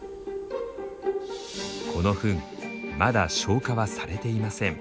このフンまだ消化はされていません。